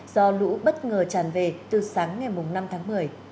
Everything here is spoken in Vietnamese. do lũ bất ngờ tràn về từ sáng ngày năm tháng một mươi